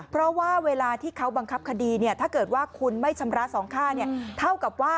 เพราะว่าเวลาที่เขาบังคับคดีถ้าเกิดว่าคุณไม่ชำระ๒ค่าเท่ากับว่า